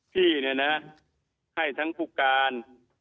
พี่นะฮะให้ทั้งภูการ